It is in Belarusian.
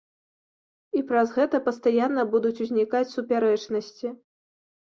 І праз гэта пастаянна будуць узнікаць супярэчнасці.